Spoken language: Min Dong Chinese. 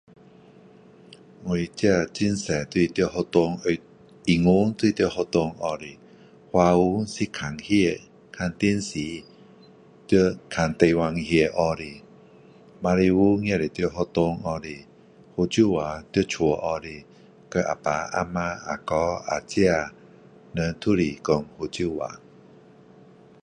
我这很多都是在学校英文都是在学校学的华语是看戏看电视在看台湾戏学的马来文也是在学校学的福州话在家学的跟啊爸啊妈啊哥啊姐们都是说福州话